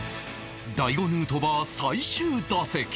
大悟ヌートバー最終打席